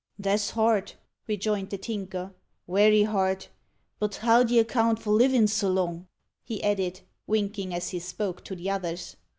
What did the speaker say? "That's hard," rejoined the Tinker "werry hard. But how d'ye account for livin' so long?" he added, winking as he spoke to the others.